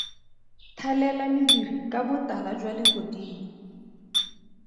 Thalela lediri ka botala jwa legodimo.